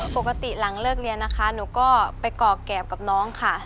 ปกติหลังเลิกเรียนนะคะหนูก็ไปก่อแกบกับน้องค่ะ